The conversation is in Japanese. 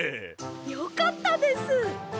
よかったです！